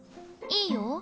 いいよ。